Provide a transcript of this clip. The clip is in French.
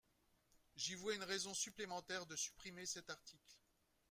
J’y vois une raison supplémentaire de supprimer cet article.